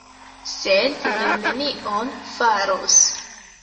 Sed li nenion faros.